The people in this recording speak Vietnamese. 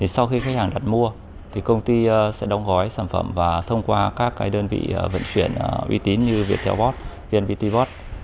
sau khi khách hàng đặt mua công ty sẽ đóng gói sản phẩm và thông qua các đơn vị vận chuyển uy tín như viettelbot vnvtbot